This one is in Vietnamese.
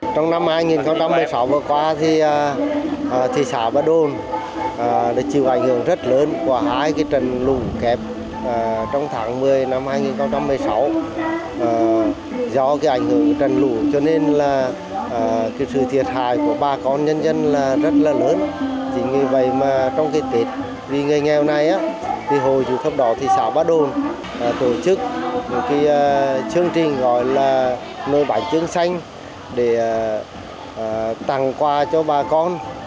trong cái tết vì người nghèo này thì hồi chú thấp đỏ thị xã ba đôn tổ chức một cái chương trình gọi là nồi bánh trưng xanh để tặng quà cho bà con